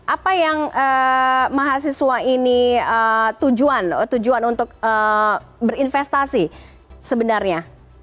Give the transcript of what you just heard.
apa yang mahasiswa ini tujuan untuk berinvestasi sebenarnya